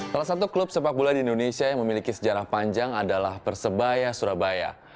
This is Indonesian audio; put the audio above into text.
salah satu klub sepak bola di indonesia yang memiliki sejarah panjang adalah persebaya surabaya